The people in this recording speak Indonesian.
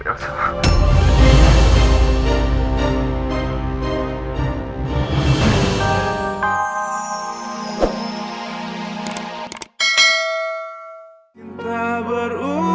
om kangen sama rena